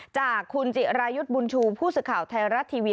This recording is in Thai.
จากคุณจิรายุทธ์บุญชูผู้สื่อข่าวไทยรัฐทีวี